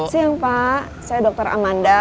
siang pak saya dr amanda